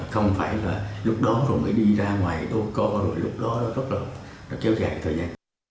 không phải là lúc đó rồi mới đi ra ngoài đô co rồi lúc đó rất là chéo dài thời gian